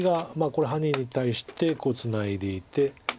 これハネに対してこうツナいでいて。